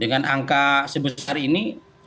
dengan angka sebesar ini